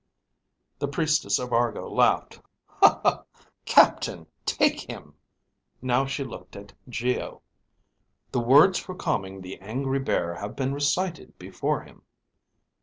The Priestess of Argo laughed. "Captain, take him." Now she looked at Geo. "The words for calming the angry bear have been recited before him.